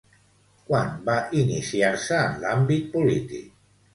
Quan va iniciar-se en l'àmbit polític?